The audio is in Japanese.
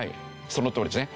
そのとおりですね。